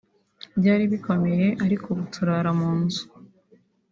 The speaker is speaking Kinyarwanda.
byari bikomeye ariko ubu turara mu nzu